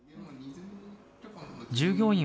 従業員